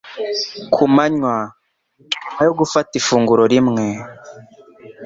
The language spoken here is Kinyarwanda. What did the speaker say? ku manywa. Nyuma yo gufata ifunguro rimwe,